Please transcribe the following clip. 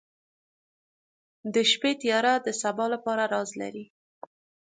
• د شپې تیاره د سبا لپاره راز لري.